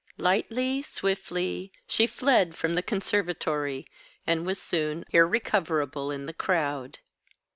Lightly, swiftly, she fled from the conservatory, and was soon irrecoverable in the crowd.